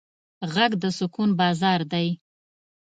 غږ د سکون باران دی